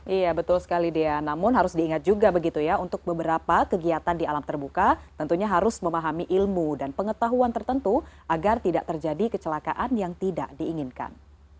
iya betul sekali dea namun harus diingat juga begitu ya untuk beberapa kegiatan di alam terbuka tentunya harus memahami ilmu dan pengetahuan tertentu agar tidak terjadi kecelakaan yang tidak diinginkan